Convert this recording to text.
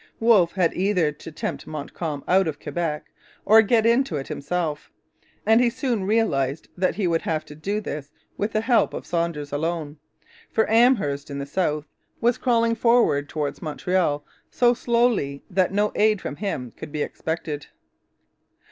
Wolfe had either to tempt Montcalm out of Quebec or get into it himself; and he soon realized that he would have to do this with the help of Saunders alone; for Amherst in the south was crawling forward towards Montreal so slowly that no aid from him could be expected.